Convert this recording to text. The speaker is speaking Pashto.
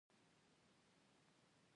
تیریدل زده کول څه ګټه لري؟